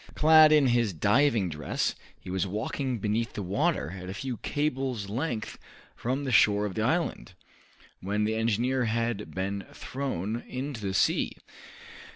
Clad in his diving dress he was walking beneath the water at a few cables' length from the shore of the island, when the engineer had been thrown into the sea.